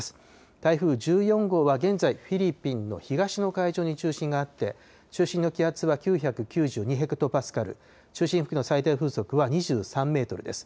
台風１４号は現在、フィリピンの東の海上に中心があって、中心の気圧は９９２ヘクトパスカル、中心付近の最大風速は２３メートルです。